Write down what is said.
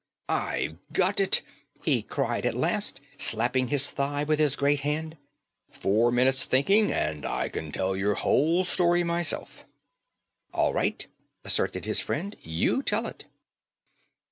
"I've got it," he cried at last, slapping his thigh with his great hand. "Four minutes' thinking, and I can tell your whole story myself." "All right," assented his friend. "You tell it."